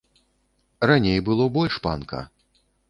Раней было больш панка.